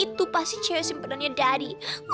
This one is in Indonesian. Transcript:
itu pasti cewek simpanannya daddy